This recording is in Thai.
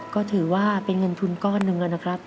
ก็ถือว่าเป็นเงินทุนก้อนหนึ่งนะครับ